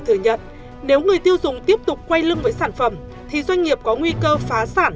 thừa nhận nếu người tiêu dùng tiếp tục quay lưng với sản phẩm thì doanh nghiệp có nguy cơ phá sản